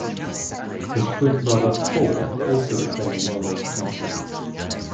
His twin brother, Paul, also became a well-known painter.